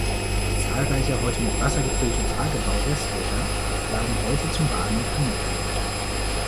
Zahlreiche heute mit Wasser gefüllte Tagebaurestlöcher laden heute zum Baden und Angeln ein.